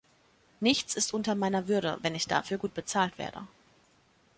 Nichts ist unter meiner Würde, wenn ich dafür gut bezahlt werde.